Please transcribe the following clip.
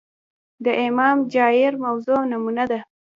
د امام جائر موضوع نمونه ده